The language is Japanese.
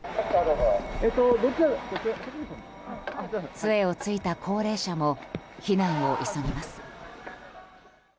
杖を突いた高齢者も避難を急ぎます。